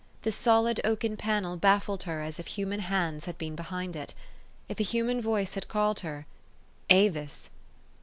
The solid oaken panel baffled her as if human hands had been behind it. If a human voice had called her, "Avis?"